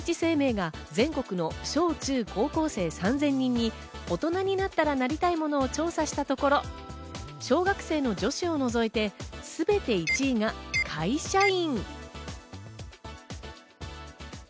第一生命が全国の小・中・高校生３０００人に大人になったらなりたいものを調査したところ、小学生の女子を除いて、すべて１位が「会社員」。